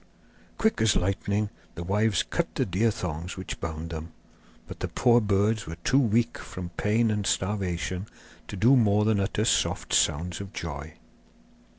Quick as lightning the wives cut the deer thongs which bound them; but the poor birds were too weak from pain and starvation to do more than utter soft sounds of joy.